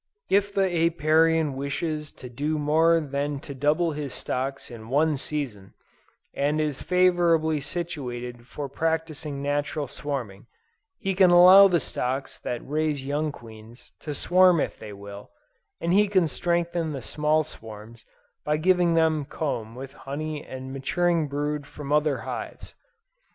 If the Apiarian wishes to do more than to double his stocks in one season, and is favorably situated for practicing natural swarming, he can allow the stocks that raise young queens to swarm if they will, and he can strengthen the small swarms by giving to them comb with honey and maturing brood from other hives.